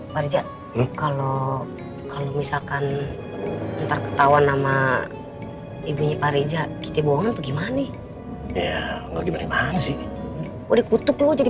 kalau kalau misalkan ntar ketauan nama ibunya pak riza kita bohong gimana sih udah kutuk lu jadi